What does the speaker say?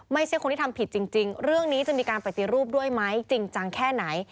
ไม่ใช่คนที่ทำผิดจริงเรื่องนี้จะมีการปฏิรูปด้วยไหมจริงจังแค่ไหน